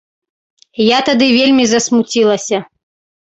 Я тады вельмі засмуцілася.